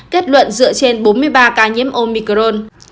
kết luận dựa trên bốn mươi ba ca nhiễm omicron